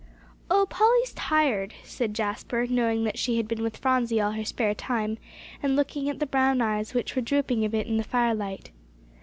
"Oh, Polly's tired," said Jasper, knowing that she had been with Phronsie all her spare time, and looking at the brown eyes which were drooping a bit in the firelight.